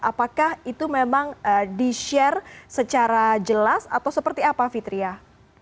apakah itu memang di share secara jelas atau seperti apa fitriah